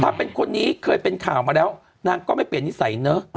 ถ้าเป็นคนนี้เคยเป็นข่าวมาแล้วนางก็ไม่เปลี่ยนนิสัยเนอะ